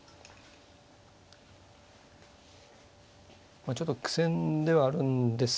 まあちょっと苦戦ではあるんですが。